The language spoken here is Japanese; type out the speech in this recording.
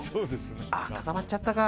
固まっちゃったか。